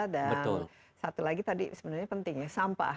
dan satu lagi tadi sebenarnya pentingnya sampah